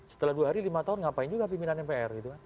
setelah dua hari lima tahun ngapain juga pimpinan mpr